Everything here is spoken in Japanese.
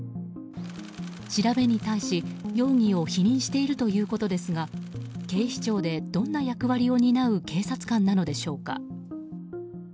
調べに対し容疑を否認しているということですが警視庁でどんな役割を担う警察官なのでしょうか。